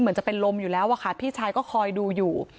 จะเป็นลมอยู่แล้วอะค่ะพี่ชายก็คอยดูอยู่